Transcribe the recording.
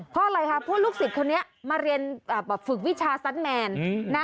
เพราะอะไรคะพวกลูกศิษย์คนนี้มาเรียนฝึกวิชาซัสแมน